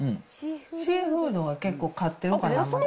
シーフードが結構かってるかな。